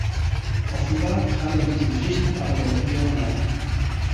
Offenbar kam er diesen Pflichten aber nur ungern nach.